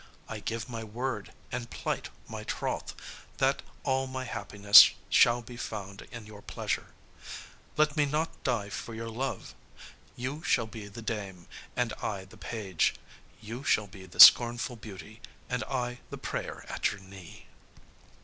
I give my word and plight my troth that all my happiness shall be found in your pleasure. Let me not die for your love. You shall be the Dame, and I the page; you shall be the scornful beauty, and I the prayer at your knee."